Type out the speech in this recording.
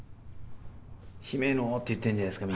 「姫野！」って言ってんじゃないですか